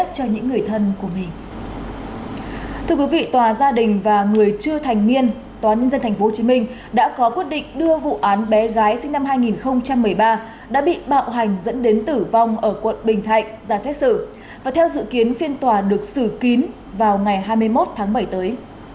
thưa quý vị tòa gia đình và người chưa thành niên tòa nhân dân tp hcm đã có quyết định đưa vụ án bé gái sinh năm hai nghìn một mươi ba đã bị bạo hành dẫn đến tử vong ở quận bình thạnh ra xét xử và theo dự kiến phiên tòa được xử kín vào ngày hai mươi một tháng bảy tới